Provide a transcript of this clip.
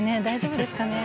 大丈夫ですか？